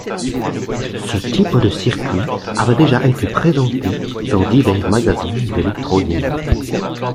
Ce type de circuit avait déjà été présenté dans divers magazines d'électronique.